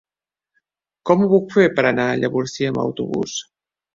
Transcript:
Com ho puc fer per anar a Llavorsí amb autobús?